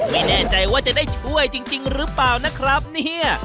ไม่แน่ใจว่าจะได้ช่วยจริงหรือเปล่านะครับเนี่ย